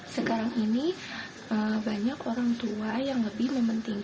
sekarang ini banyak orang tua yang lebih memiliki kemampuan dengan orang tua